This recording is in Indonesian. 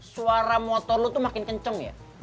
suara motor lo tuh makin kenceng ya